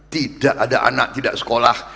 tidak ada anak tidak sekolah